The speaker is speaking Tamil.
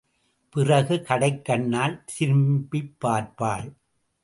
பிறகு கடைக்கண்ணால் திரும்பிப் பார்ப்பாள்.